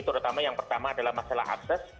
terutama yang pertama adalah masalah akses